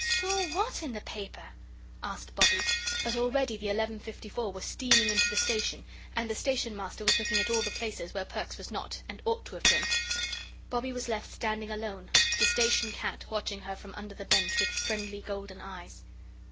"Saw WHAT in the paper?" asked Bobbie, but already the 11.54 was steaming into the station and the Station Master was looking at all the places where Perks was not and ought to have been. Bobbie was left standing alone, the Station Cat watching her from under the bench with friendly golden eyes.